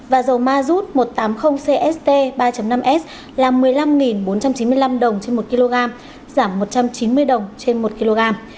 và dầu mazut một trăm tám mươi cst ba năm s là một mươi năm bốn trăm chín mươi năm đồng trên một kg giảm một trăm chín mươi đồng trên một kg